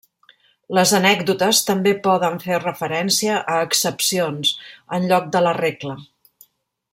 Les anècdotes també poden fer referència a excepcions, en lloc de la regla.